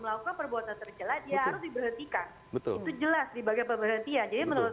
melakukan perbuatan terjelat ya harus diberhentikan itu jelas di bagian pemberhentian jadi menurut